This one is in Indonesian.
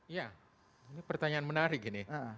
ya ini pertanyaan menarik ini